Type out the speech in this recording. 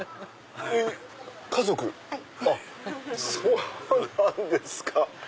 そうなんですか。